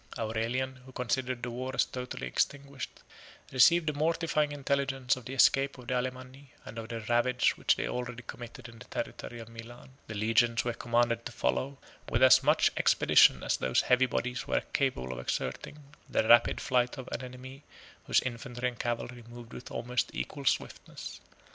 32 Aurelian, who considered the war as totally extinguished, received the mortifying intelligence of the escape of the Alemanni, and of the ravage which they already committed in the territory of Milan. The legions were commanded to follow, with as much expedition as those heavy bodies were capable of exerting, the rapid flight of an enemy whose infantry and cavalry moved with almost equal swiftness.